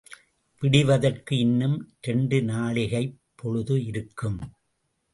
விடிவதற்கு இன்னும் இரண்டு நாழிகைப் பொழுது இருக்கும்.